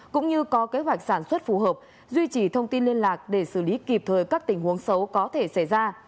cũng như có kế hoạch sản xuất phù hợp duy trì thông tin liên lạc để xử lý kịp thời các tình huống xấu có thể xảy ra